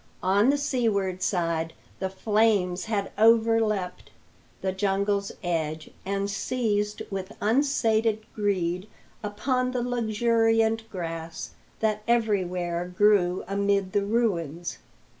On the seaward side the flames had overleapt the jungle's edge, and seized with unsated greed upon the luxuriant grass that everywhere grew amid the ruins.